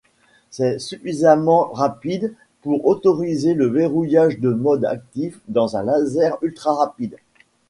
C’est suffisamment rapide pour autoriser le verrouillage de mode actif dans un laser ultra-rapide.